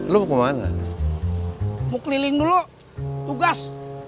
lu mau keliling dulu tugas